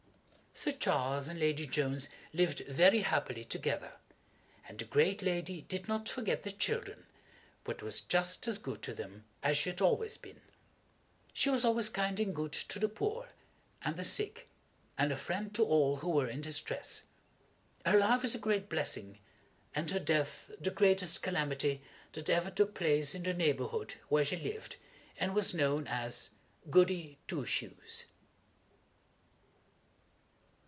Sir Charles and Lady Jones lived very happily together, and the great lady did not forget the children, but was just as good to them as she had always been. She was also kind and good to the poor, and the sick, and a friend to all who were in distress. Her life was a great blessing, and her death the greatest calamity that ever took place in the neighborhood where she lived, and was known as GOODY TWO SHOES.